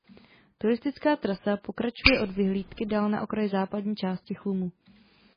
Turistická trasa pokračuje od vyhlídky dál na okraj západní části Chlumu.